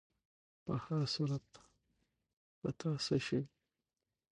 په هر صورت، په تا څه شوي؟